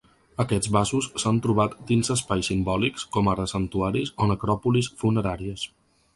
Aquests vasos s’han trobat dins espais simbòlics com ara santuaris o necròpolis funeràries.